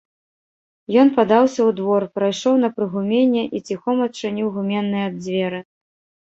Ён падаўся ў двор, прайшоў на прыгуменне і ціхом адчыніў гуменныя дзверы.